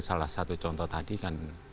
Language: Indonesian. salah satu contoh tadi kan